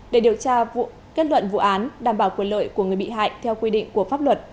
để điều tra kết luận vụ án đảm bảo quyền lợi của người bị hại theo quy định của pháp luật